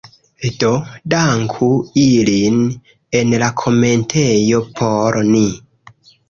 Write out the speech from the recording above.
Do, danku ilin en la komentejo por ni